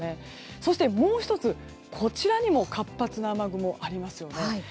そしてもう１つ、こちらにも活発な雨雲がありますよね。